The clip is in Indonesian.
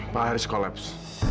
pak haris kolaps